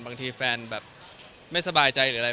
บางทีแฟนแบบไม่สบายใจหรืออะไร